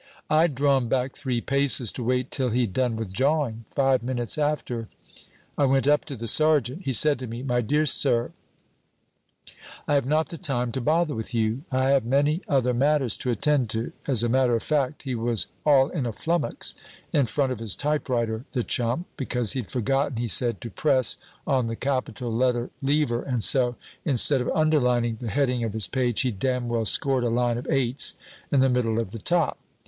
"I'd drawn back three paces to wait till he'd done with jawing. Five minutes after, I went up to the sergeant. He said to me, 'My dear sir, I have not the time to bother with you; I have many other matters to attend to.' As a matter of fact, he was all in a flummox in front of his typewriter, the chump, because he'd forgotten, he said, to press on the capital letter lever, and so, instead of underlining the heading of his page, he'd damn well scored a line of 8's in the middle of the top.